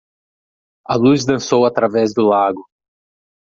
A luz dançou através do lago.